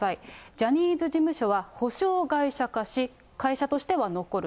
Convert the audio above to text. ジャニーズ事務所は補償会社化し、会社としては残る。